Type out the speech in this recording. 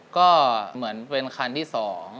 ก็เหมือนเป็นคันที่๒